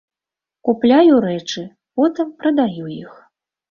Купляю рэчы, потым прадаю іх.